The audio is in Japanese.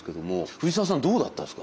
藤沢さんどうだったんですか？